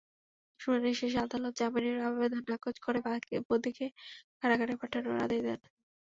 শুনানি শেষে আদালত জামিনের আবেদন নাকচ করে বদিকে কারাগারে পাঠানোর আদেশ দেন।